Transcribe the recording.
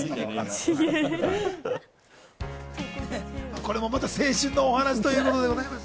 これもまた青春のお話ということでございます。